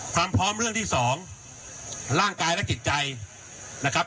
ความพร้อมเรื่องที่สองร่างกายและจิตใจนะครับ